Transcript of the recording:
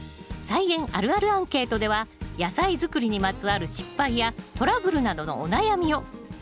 「菜園あるあるアンケート」では野菜づくりにまつわる失敗やトラブルなどのお悩みを！